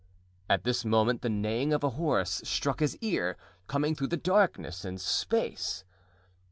At this moment the neighing of a horse struck his ear, coming through darkness and space.